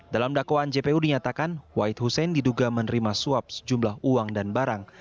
dalam dakwaan jpu dinyatakan wahid hussein diduga menerima suap sejumlah uang dan barang